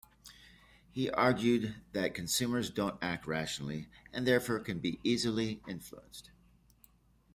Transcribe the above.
He argued that consumers don't act rationally, and therefore can be easily influenced.